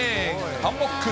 ハンモック。